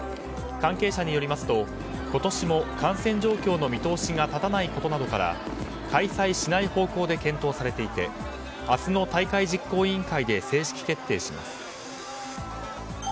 関係者によりますと今年も感染状況の見通しが立たないことなどから開催しない方向で検討されていて明日の大会実行委員会で正式決定します。